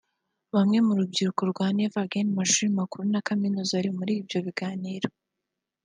Bamwe mu rubyiruko rwa Never Again mu mashuri makuru na kaminuza bari muri ibyo biganiro